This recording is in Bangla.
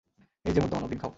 এই যে, মুর্দামানব, ডিম খাও।